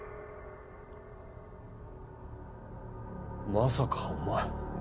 まさかお前。